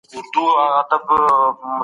کابینه سرحدي شخړه نه پیلوي.